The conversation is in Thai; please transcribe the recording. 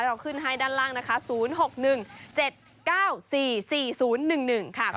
เราขึ้นให้ด้านล่างนะคะ๐๖๑๗๙๔๔๐๑๑ค่ะ